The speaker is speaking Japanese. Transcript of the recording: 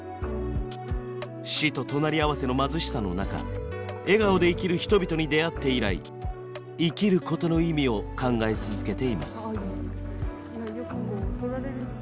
死と隣り合わせの貧しさの中笑顔で生きる人々に出会って以来生きることの意味を考え続けています。